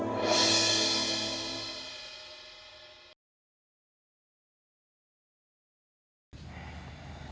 belum ada ideally